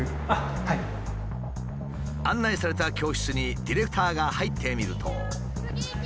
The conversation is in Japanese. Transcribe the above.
案内された教室にディレクターが入ってみると。